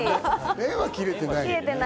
縁は切れてない。